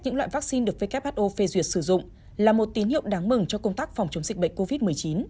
những loại vaccine được who phê duyệt sử dụng là một tín hiệu đáng mừng cho công tác phòng chống dịch bệnh covid một mươi chín